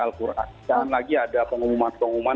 al quran jangan lagi ada pengumuman pengumuman